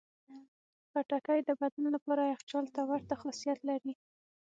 خټکی د بدن لپاره یخچال ته ورته خاصیت لري.